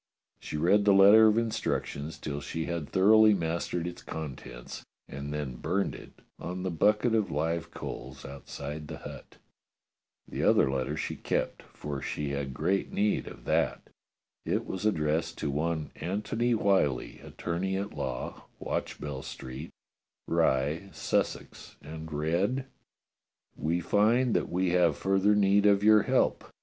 She read the letter of instructions till she had thoroughly mastered its contents, and then burned it on the bucket of live coals outside the hut. The other letter she kept, for she had great need of that. It was addressed to one Antony Whyllie, attorney at law, Watchbell Street, Rye, Sussex, and read : We find that we have further need of your help.